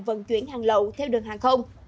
vận chuyển hàng lậu theo đường hàng không